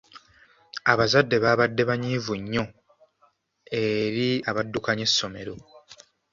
Abazadde baabadde banyiivu nnyo eri abaddukanya essommero.